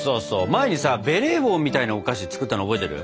前にさベレー帽みたいなお菓子作ったの覚えてる？